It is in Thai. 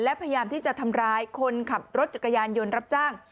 และพยายามที่จะทำร้ายคนขับรถจักรยานยนต์รับจ้าง